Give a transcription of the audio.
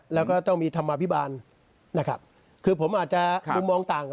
แล้วก็ต้องมีธรรมาภิบาลคือผมอาจจะมองต่าง